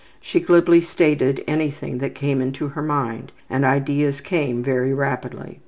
She glibly stated anything that came into her mind, and ideas came very rapidly.